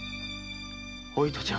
お糸ちゃん。